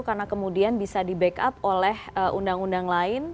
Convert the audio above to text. karena kemudian bisa di back up oleh undang undang lain